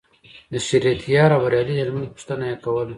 د شریعت یار او بریالي هلمند پوښتنه یې کوله.